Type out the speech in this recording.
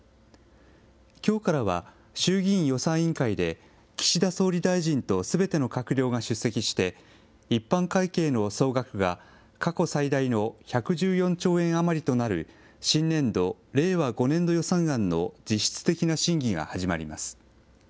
きょうからは衆議院予算委員会で、岸田総理大臣とすべての閣僚が出席して一般会計の総額が、過去最大の１１４兆円余りとなる新年度・令和５年度予算案の実質的な審議が始まります。